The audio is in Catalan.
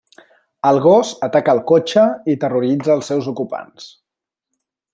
El gos ataca el cotxe i terroritza els seus ocupants.